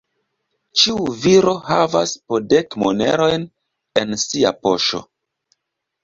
Ĉiu viro havas po dek monerojn en sia poŝo.